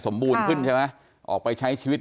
บูรณขึ้นใช่ไหมออกไปใช้ชีวิต